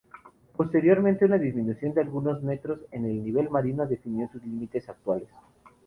Posteriormente, una disminución de algunos metros en el nivel marino definió sus límites actuales.